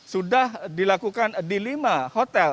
sudah dilakukan di lima hotel